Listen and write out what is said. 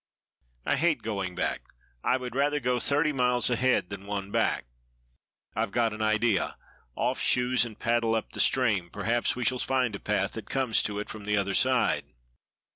"I hate going back. I would rather go thirty miles ahead than one back. I've got an idea; off shoes and paddle up the stream; perhaps we shall find a path that comes to it from the other side."